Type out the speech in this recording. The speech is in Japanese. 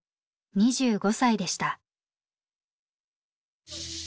２５歳でした。